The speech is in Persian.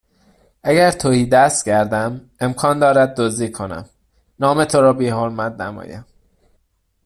اگر تهیدست گردم امکان دارد دزدی کنم نام تو را بیحرمت نمایم